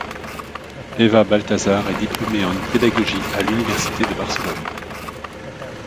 Eva Baltasar est diplômée en pédagogie à l'université de Barcelone.